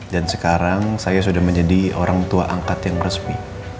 dan sekarang saya sudah menjadi orang tua angkat yang resmi